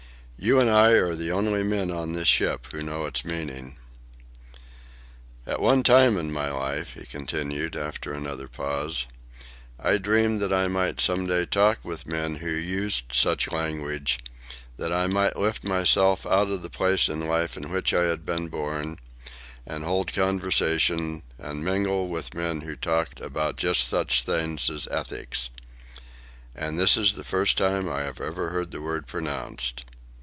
You and I are the only men on this ship who know its meaning." "At one time in my life," he continued, after another pause, "I dreamed that I might some day talk with men who used such language, that I might lift myself out of the place in life in which I had been born, and hold conversation and mingle with men who talked about just such things as ethics. And this is the first time I have ever heard the word pronounced.